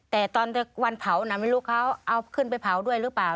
แต่ตอนวันเผาน่ะไม่รู้เขาเอาขึ้นไปเผาด้วยหรือเปล่า